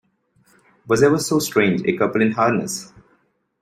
Was ever so strange a couple in harness?